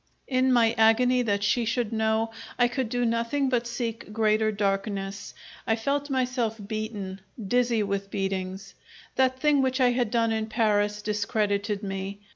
In my agony that she should know, I could do nothing but seek greater darkness. I felt myself beaten, dizzy with beatings. That thing which I had done in Paris discredited me.